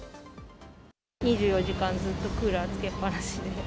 ２４時間ずっとクーラーつけっ放しで。